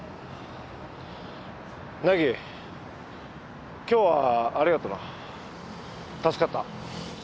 凪今日はありがとな助かった。